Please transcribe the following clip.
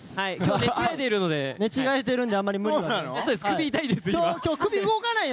寝違えてるんで、あんまり無そうなの？